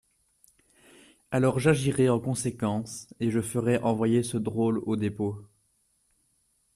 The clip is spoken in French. Alors j'agirai en conséquence et je ferai envoyer ce drôle au dépôt.